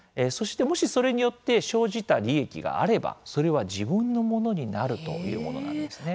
もし、それによって生じた利益があればそれは自分のものになるというものなんですね。